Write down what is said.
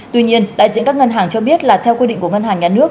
tuy nhiên đại diện các ngân hàng cho biết là theo quy định của ngân hàng nhà nước